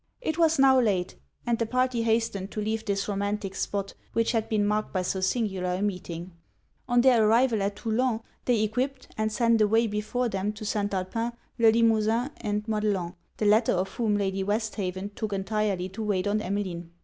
It was now late; and the party hastened to leave this romantic spot, which had been marked by so singular a meeting. On their arrival at Toulon, they equipped, and sent away before them to St. Alpin, Le Limosin and Madelon, the latter of whom Lady Westhaven took entirely to wait on Emmeline.